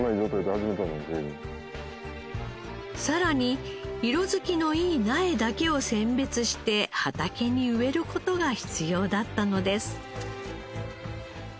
さらに色付きのいい苗だけを選別して畑に植える事が必要だったのです。